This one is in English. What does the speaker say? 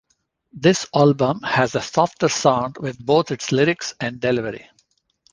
This album has a softer sound with both its lyrics and delivery.